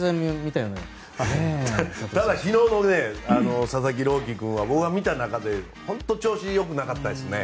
ただ、昨日の佐々木朗希君は僕が見た中で、本当に調子が良くなかったですね。